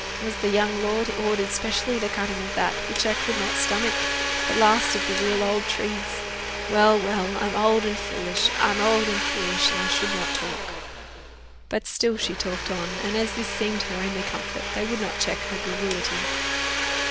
It was the young lord ordered specially the cutting of that, which I could not stomach; the last of the real old trees! Well, well! I'm old and foolish I'm old and foolish, and I should not talk." But still she talked on, and as this seemed her only comfort, they would not check her garrulity.